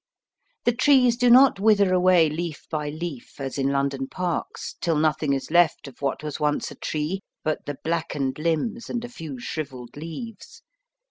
The trees do not wither away leaf by leaf^ as in London parks, till nothing is left of what was once a tree but the blackened limbs and a few shrivelled leaves.